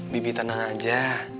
bibi tenang aja